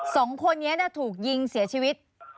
สองคนนี้ถูกยิงเสียชีวิต